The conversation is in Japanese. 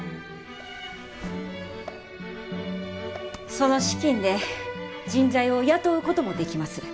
その資金で人材を雇うこともできます。